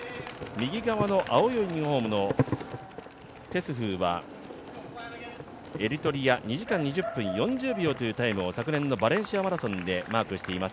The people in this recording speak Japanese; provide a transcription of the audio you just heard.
右側の青いユニフォームのテスフはエリトリア２時間２１分４０秒というタイムを昨年のバレンシア・マラソンでマークしています。